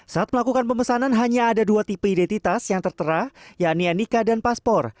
saat melakukan pemesanan hanya ada dua tipe identitas yang tertera yakni nika dan paspor